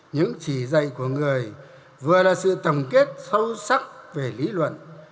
những chỉ dạy của người vừa là sự tổng kết sâu sắc về lý luận